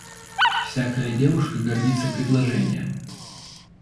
Всякая девушка гордится предложением.